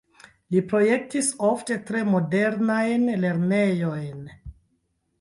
Li projektis ofte tre modernajn lernejojn.